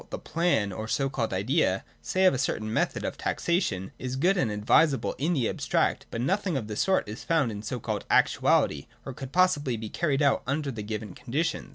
the plan, or so called idea, say of a certain method of taxation, is good and advisable in the abstract, but that no thing of the sort is found in so called actuality, or could possibly be carried out under the given conditions.